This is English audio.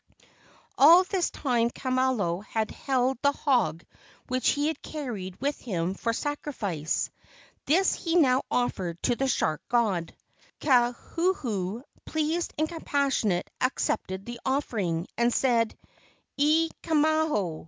All this time Kamalo had held the hog which he had carried with him for sacrifice. This he now offered to the shark god. Kauhuhu, pleased and compassionate, accepted the offering, and said: "E Kamalo.